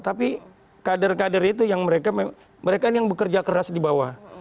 tapi kader kader itu yang mereka ini yang bekerja keras di bawah